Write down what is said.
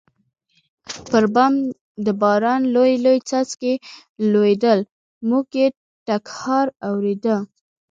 پر بام د باران لوی لوی څاڅکي لوېدل، موږ یې ټکهار اورېده.